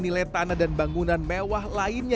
nilai tanah dan bangunan mewah lainnya